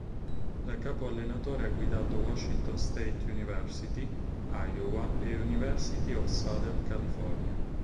Da capo allenatore ha guidato Washington State University, Iowa e University of Southern California.